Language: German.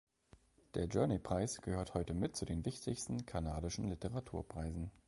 Der Journey Prize gehört heute mit zu den wichtigsten kanadischen Literaturpreisen.